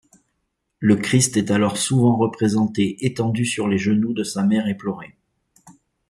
Le Christ est alors souvent représenté étendu sur les genoux de sa mère éplorée.